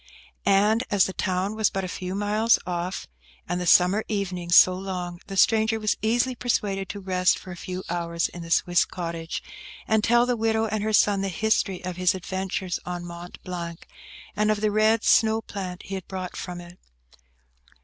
And as the town was but a few miles off, and the summer evenings so long, the stranger was easily persuaded to rest for a few hours in the Swiss cottage, and tell the widow and her son the history of his adventures on Mont Blanc, and of the red snow plant he had brought from it.